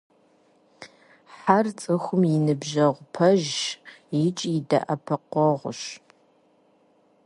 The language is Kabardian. Хьэр – цӏыхум и ныбжьэгъу пэжщ икӏи и дэӏэпыкъуэгъущ.